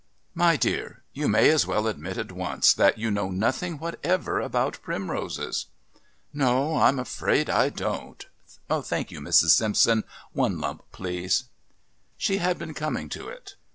"My dear, you may as well admit at once that you know nothing whatever about primroses." "No, I'm afraid I don't thank you, Mrs. Sampson. One lump, please." She had been coming to it.